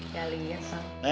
ya lihat pak